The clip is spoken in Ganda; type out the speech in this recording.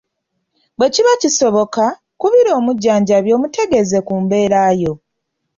Bwe kiba kisoboka, kubira omujjanjabi omutegeeze ku mbeera yo.